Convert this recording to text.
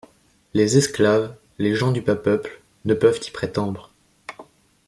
Les esclaves, les gens du bas peuple, ne peuvent y prétendre.